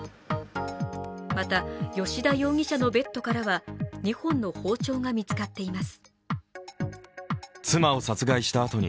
また吉田容疑者のベッドからは２本の包丁が見つかっています。